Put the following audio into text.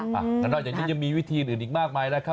ค่ะด้านนอกจากนี้ยังมีวิธีอื่นอีกมากมายนะคะ